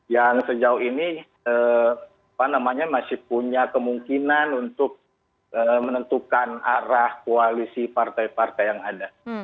yang sejauh ini masih punya kemungkinan untuk menentukan arah koalisi partai partai yang ada